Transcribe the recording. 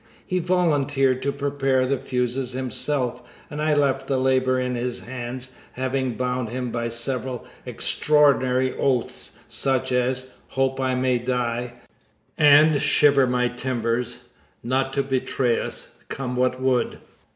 He volunteered to prepare the fuses himself, and I left the labor in his hands, having bound him by several extraordinary oaths such as "Hope I may die" and "Shiver my timbers" not to betray us, come what would.